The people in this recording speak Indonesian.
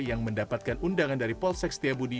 yang mendapatkan undangan dari polsek setiabudi